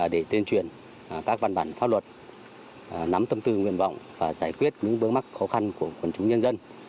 để tuyên truyền các văn bản pháp luật nắm tâm tư nguyện vọng và giải quyết những bước mắc khó khăn của quần chúng nhân dân